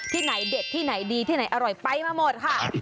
ที่ไหนเด็ดที่ไหนดีที่ไหนอร่อยไปมาหมดค่ะ